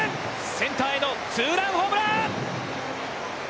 センターへのツーランホームラン！